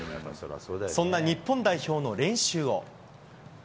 そんな日本代表の練習を。